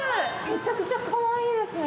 めちゃくちゃかわいいですね。